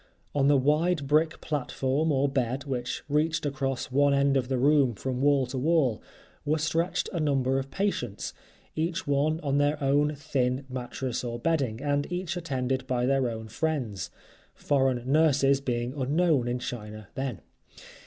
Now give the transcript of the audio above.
On the wide brick platform or bed, which reached across one end of the room from wall to wall, were stretched a number of patients, each one on their own thin mattress or bedding, and each attended by their own friends; foreign nurses being unknown in China then.